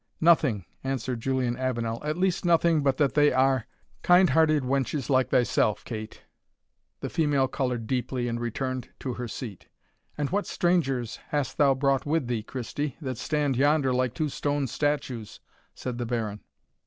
"Nothing," answered Julian Avenel, "at least nothing but that they are kind hearted wenches like thyself, Kate." The female coloured deeply, and returned to her seat. "And what strangers hast thou brought with thee, Christie, that stand yonder like two stone statues?" said the Baron.